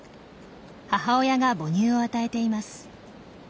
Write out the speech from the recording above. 母親が母乳を与えています。